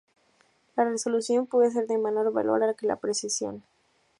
La resolución puede ser de menor valor que la precisión.